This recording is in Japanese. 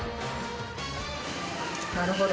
なるほど。